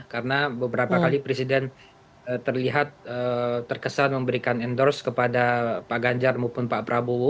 karena beberapa kali presiden terlihat terkesan memberikan endorse kepada pak ganjar maupun pak prabowo